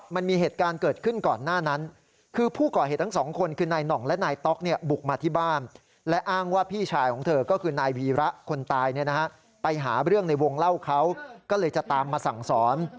วงเล่าเขาก็เลยจะตามมาสั่งสอน